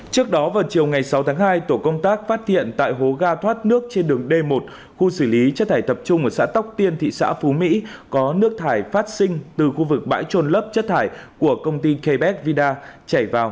trước đó vào chiều ngày sáu tháng hai tổ công tác phát hiện tại hố ga thoát nước trên đường d một khu xử lý chất thải tập trung ở xã tóc tiên thị xã phú mỹ có nước thải phát sinh từ khu vực bãi trôn lấp chất thải của công ty kbet vida chảy vào